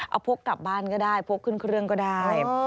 เอาพกกลับบ้านก็ได้พกขึ้นเครื่องก็ได้